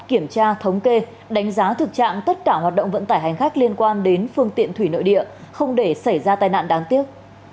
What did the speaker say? kiểm tra thống kê đánh giá thực trạng tất cả hoạt động vận tải hành khách liên quan đến phương tiện thủy nội địa không để xảy ra tai nạn đáng tiếc